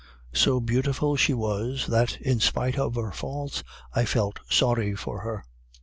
So beautiful she was, that in spite of her faults I felt sorry for her.